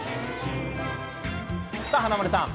さあ、華丸さん